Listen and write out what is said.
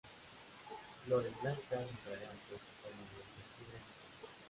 Flores blancas y fragantes se forman entre octubre y diciembre.